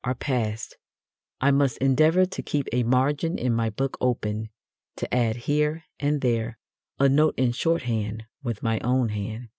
are past, I must endeavour to keep a margin in my book open, to add, here and there, a note in shorthand with my own hand.